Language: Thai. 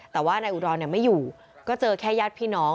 แต่ว่านายอุดรไม่อยู่ก็เจอแค่ญาติพี่น้อง